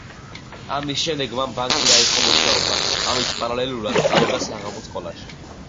ამის შემდეგ მან ბანკში დაიწყო მუშაობა, ამის პარალელურად სწავლობდა საღამოს სკოლაში.